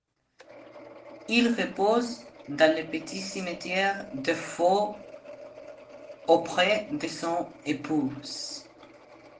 Il repose dans le petit cimetière de Faux auprès de son épouse.